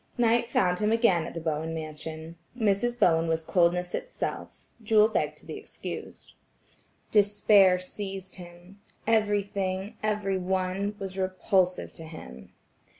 Night found him again at the Bowen mansion. Mrs. Bowen was coldness itself; Jewel begged to be excused. Despair seized him. Everything, every one, was repulsive to him.